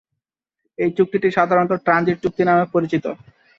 এ চুক্তিটি সাধারনত ট্রানজিট চুক্তি নামে পরিচিত।